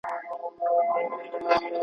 ازادي د پوهي په مټ ترلاسه کېږي.